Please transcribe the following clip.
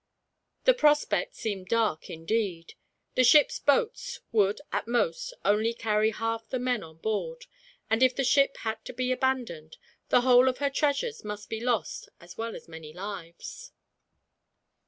The prospect seemed dark, indeed. The ship's boats would, at most, only carry half the men on board; and if the ship had to be abandoned, the whole of her treasures must be lost, as well as many lives.